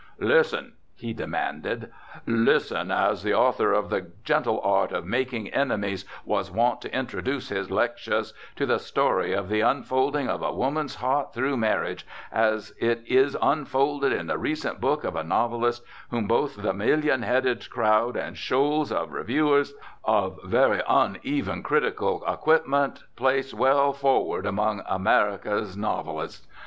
Listen," he demanded; "listen (as the author of 'The Gentle Art of Making Enemies' was wont to introduce his lectures) to the story of the unfolding of a woman's heart through marriage, as it is unfolded in the recent book of a novelist whom both the million headed crowd and shoals of reviewers, of very uneven critical equipment, place 'well forward among America's novelists.'